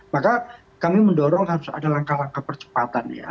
maka kami mendorong harus ada langkah langkah percepatan ya